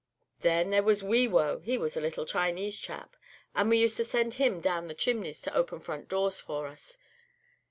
Then there was Wee Wo, he was a little Chinese chap, and we used to send him down the chimneys to open front doors for us.